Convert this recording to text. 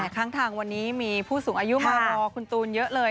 ข้างทางวันนี้มีผู้สูงอายุมารอคุณตูนเยอะเลย